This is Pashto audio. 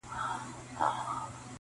شېبه وروسته دی خزان وای -